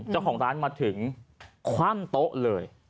เจ้าของร้านมาถึงคว่ำโต๊ะเลย